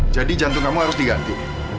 jadi jantung kamu harus diganti